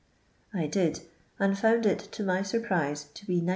I did, and found \X, to my surprise, to be 960.